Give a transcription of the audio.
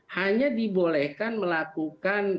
hanya dibolehkan melakukan